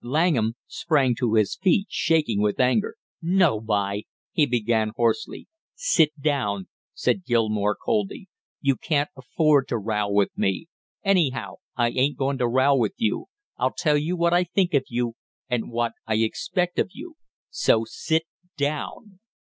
Langham sprang to his feet shaking with anger. "No, by " he began hoarsely. "Sit down," said Gilmore coldly. "You can't afford to row with me; anyhow, I ain't going to row with you. I'll tell you what I think of you and what I expect of you, so sit down!"